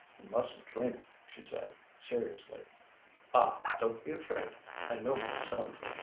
"You mustn't drink," she said, seriously. "Ah, don't be afraid. I know myself."